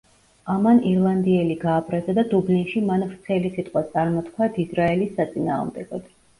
ამან ირლანდიელი გააბრაზა და დუბლინში მან ვრცელი სიტყვა წარმოთქვა დიზრაელის საწინააღმდეგოდ.